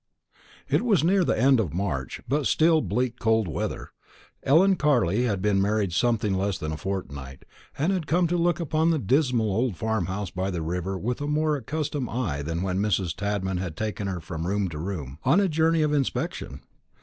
It was near the end of March, but still bleak cold weather. Ellen Carley had been married something less than a fortnight, and had come to look upon the dismal old farm house by the river with a more accustomed eye than when Mrs. Tadman had taken her from room to room on a journey of inspection.